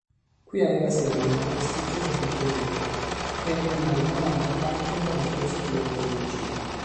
Qui aveva sede una prestigiosa biblioteca e una rinomata cattedra di filosofia e teologia.